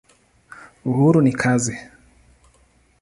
Uhuru ni kazi.